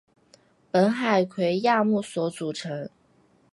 本海葵亚目所组成。